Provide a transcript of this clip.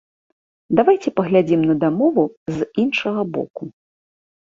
Давайце паглядзім на дамову з іншага боку.